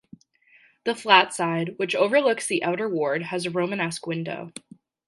The flat side, which overlooks the outer ward, has a Romanesque window.